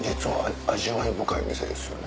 味わい深い店ですよね。